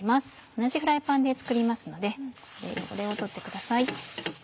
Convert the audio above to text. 同じフライパンで作りますので汚れを取ってください。